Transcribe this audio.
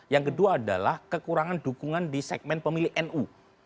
yang kedua adalah kekurangan dukungan di segmen pemilih nu